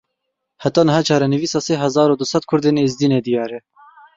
Heta niha çarenivîsa sê hezar û du sed Kurdên Êzidî nediyar e.